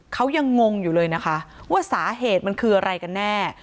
เขายังงงอยู่เลยนะคะว่าสาเหตุมันคืออะไรกันแน่